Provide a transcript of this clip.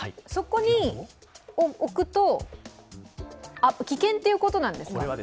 そこに置くと、危険ということなんですか？